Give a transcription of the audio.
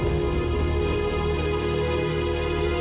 ini di jakarta